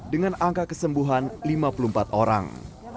dengan angka kesembuhan lima puluh empat orang